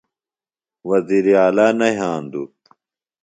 وزیر اعلا نہ یھاندوۡ۔